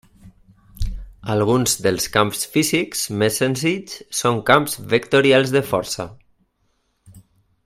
Alguns dels camps físics més senzills són camps vectorials de força.